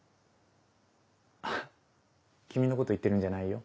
あっ君のこと言ってるんじゃないよ。